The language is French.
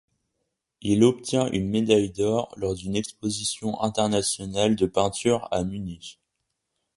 Il obtient une médaille d'or lors d'une exposition internationale de peintures à Munich.